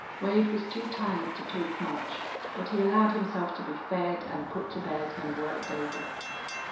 Wade was too tired to talk much, but he allowed himself to be fed and put to bed and worked over.